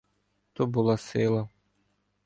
То була сила.